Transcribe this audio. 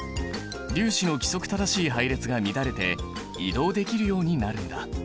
粒子の規則正しい配列が乱れて移動できるようになるんだ。